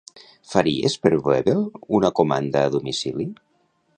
Faries per Webel una comanda a domicili?